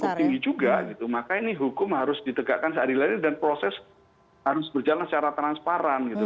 itu tinggi juga gitu maka ini hukum harus ditegakkan seadil adil dan proses harus berjalan secara transparan gitu